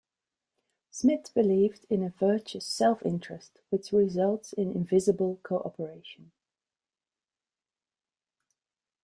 Smith believed in a virtuous self-interest which results in invisible co-operation.